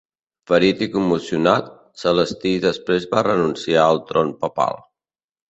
Ferit i commocionat, Celestí després va renunciar al tron papal.